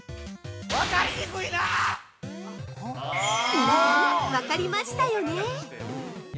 ◆皆さん、わかりましたよね？